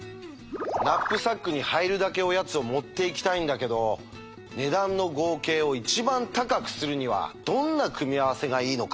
ナップサックに入るだけおやつを持っていきたいんだけど値段の合計を一番高くするにはどんな組み合わせがいいのか。